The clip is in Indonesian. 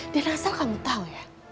dan asal kamu tau ya